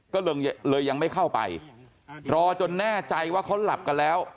ก็เลยเลยยังไม่เข้าไปรอจนแน่ใจว่าเขาหลับกันแล้ว